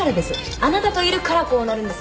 あなたといるからこうなるんです。